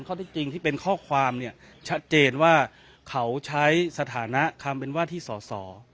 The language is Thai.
ที่จริงที่เป็นข้อความเนี่ยชัดเจนว่าเขาใช้สถานะความเป็นว่าที่สอสอ